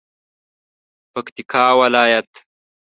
پکتیکا ولایت